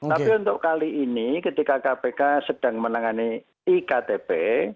tapi untuk kali ini ketika kpk sedang menangani iktp